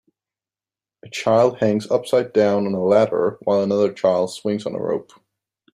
A child hangs upside down on a ladder while another child swings on a rope.